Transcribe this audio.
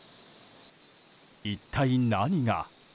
一体何が。